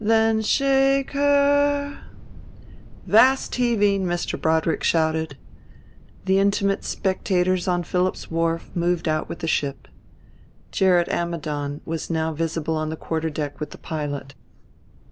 Then shake her " "Vast heaving," Mr. Broadrick shouted. The intimate spectators on Phillips' Wharf moved out with the ship. Gerrit Ammidon was now visible on the quarter deck with the pilot.